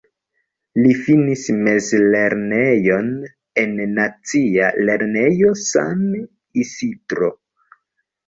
Li finis mezlernejon en Nacia Lernejo San Isidro.